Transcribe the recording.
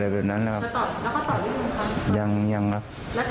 ฆ่าคุณแล้วเขาจะตาย